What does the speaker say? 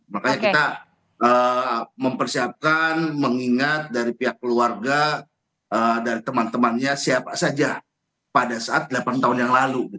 makanya kita mempersiapkan mengingat dari pihak keluarga dari teman temannya siapa saja pada saat delapan tahun yang lalu